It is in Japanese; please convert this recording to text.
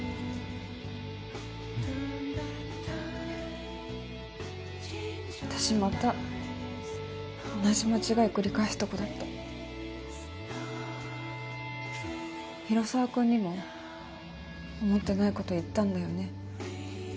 ううん私また同じ間違い繰り返すとこだった広沢君にも思ってないこと言ったんだよね